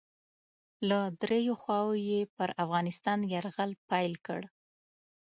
له دریو خواوو یې پر افغانستان یرغل پیل کړ.